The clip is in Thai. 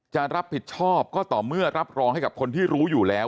จะรับผิดชอบก็ต่อเมื่อรับรองให้กับคนที่รู้อยู่แล้ว